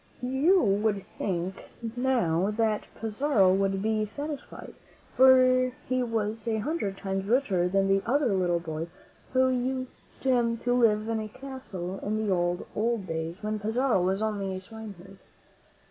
You would think ?io^v that Pizarro would be satisfied, for he was a hundred times richer than the other little boy who used to live in the castle in the old, old days when Pizarro was only a swineherd.